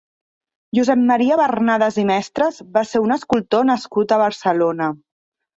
Josep Maria Barnadas i Mestres va ser un escultor nascut a Barcelona.